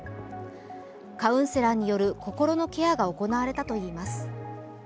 カウンセラーによる心のケアが行われたといいます。